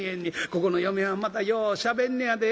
ここの嫁はんまたようしゃべんのやで。